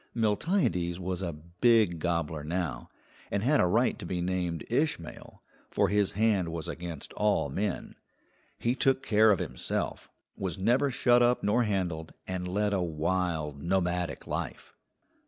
Miltiades was a big gobbler now, and had a right to be named Ishmael, for his hand was against all men. He took care of himself, was never shut up nor handled, and led a wild, nomadic life.